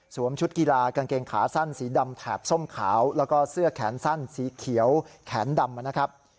ชุดกีฬากางเกงขาสั้นสีดำแถบส้มขาวแล้วก็เสื้อแขนสั้นสีเขียวแขนดำนะครับ